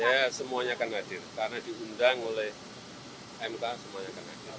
ya semuanya akan hadir karena diundang oleh mta semuanya akan hadir